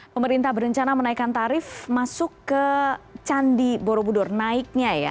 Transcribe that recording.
pemerintah berencana menaikkan tarif masuk ke candi borobudur naiknya ya